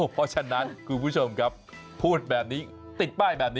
เพราะฉะนั้นคุณผู้ชมครับพูดแบบนี้ติดป้ายแบบนี้